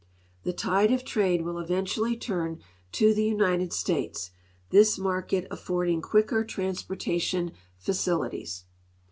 Tlie tide of trade will eventually turn to the United States, this market affording quicker transportation facilities.